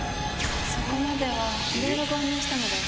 そこまではいろいろご案内したので。